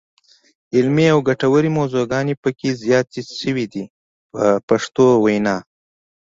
علمي او ګټورې موضوعګانې پکې زیاتې شوې دي په پښتو وینا.